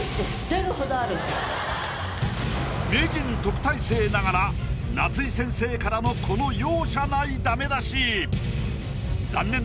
名人・特待生ながら夏井先生からのこの容赦ないダメ出し！